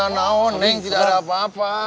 nooning tidak ada apa apa